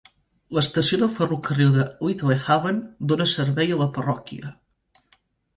L'estació de ferrocarril de Littlehaven dona servei a la parròquia.